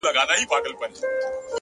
هره خبره خپل وزن لري،